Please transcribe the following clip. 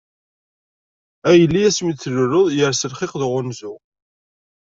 A yelli asmi i tluleḍ, yers lxiq d uɣanzu.